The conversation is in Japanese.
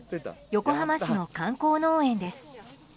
横浜市の観光農園です。